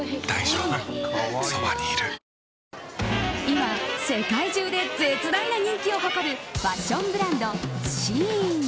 今、世界中で絶大な人気を誇るファッションブランドＳＨＥＩＮ。